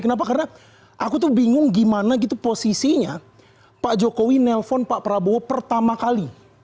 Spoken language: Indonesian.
kenapa karena aku tuh bingung gimana gitu posisinya pak jokowi nelfon pak prabowo pertama kali